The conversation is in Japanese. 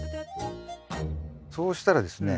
そうしたらですね